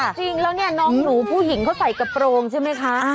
จริงแล้วเนี่ยน้องหนูผู้หญิงเขาใส่กระโปรงใช่ไหมคะ